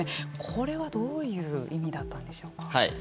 これは、どういう意味だったんでしょうか。